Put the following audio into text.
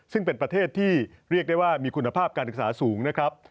ซึ่งเป็นประเทศที่เรียกได้ว่ามีคุณภาพการศึกษาสูงนะครับ